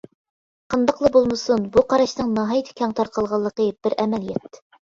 قانداقلا بولمىسۇن بۇ قاراشنىڭ ناھايىتى كەڭ تارقالغانلىقى بىر ئەمەلىيەت.